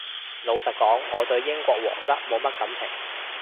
老實講我對英國皇室冇乜感情